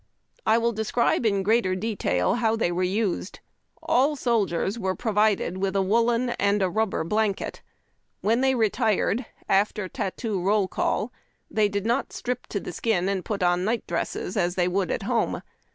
I will describe in greater detail how tliey were used. All soldiers were provided with a woollen and a rubber blanket. When they retired, after tattoo roll call, they did not strip to the skin and put on night dresses as they would at home.